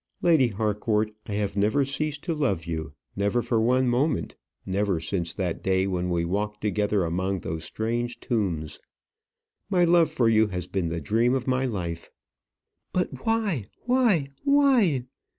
Lady Harcourt, I have never ceased to love you, never for one moment; never since that day when we walked together among those strange tombs. My love for you has been the dream of my life." "But, why why why?